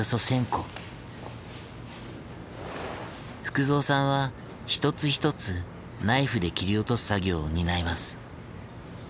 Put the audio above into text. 福蔵さんは一つ一つナイフで切り落とす作業を担います。